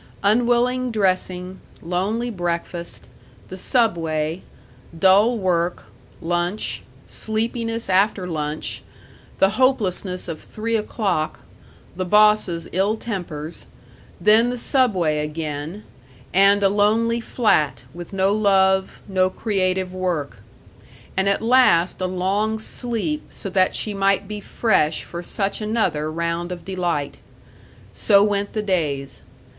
Unwilling dressing, lonely breakfast, the Subway, dull work, lunch, sleepiness after lunch, the hopelessness of three o'clock, the boss's ill tempers, then the Subway again, and a lonely flat with no love, no creative work; and at last a long sleep so that she might be fresh for such another round of delight. So went the days.